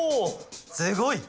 すごい！